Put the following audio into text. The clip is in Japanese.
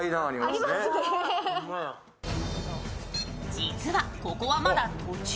実はここはまだ途中。